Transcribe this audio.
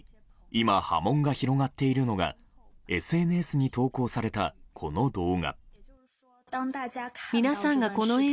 更に、今波紋が広がっているのがＳＮＳに投稿されたこの動画。